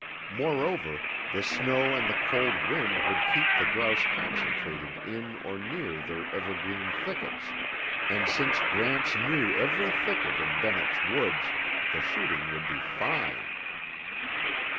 Moreover, the snow and the cold wind would keep the grouse concentrated in or near their evergreen thickets, and since Gramps knew every thicket in Bennett's Woods, the shooting would be fine.